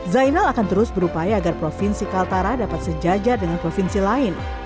zainal akan terus berupaya agar provinsi kaltara dapat sejajar dengan provinsi lain